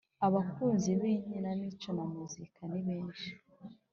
Abakunzi b’ikinamico na muzika nibenshi